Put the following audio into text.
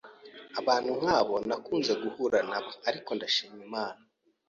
abantu nkabo nakunze guhura na bo ariko ndashima Imana